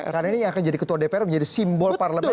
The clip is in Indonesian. karena ini yang akan jadi ketua dpr menjadi simbol parlemen